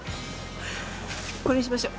これにしましょう。